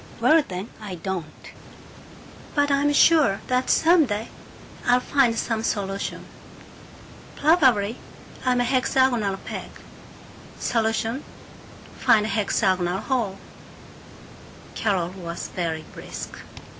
"Well then, I don't! But I'm sure that some day I'll find some solution. Probably I'm a hexagonal peg. Solution: find the hexagonal hole." Carol was very brisk.